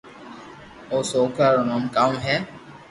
او سوڪرا رو نوم ڪاو ھي